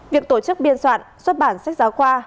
việc tổ chức biên soạn xuất bản sách giáo khoa